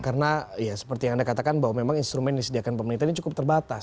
karena ya seperti yang anda katakan bahwa memang instrumen yang disediakan pemerintah ini cukup terbatas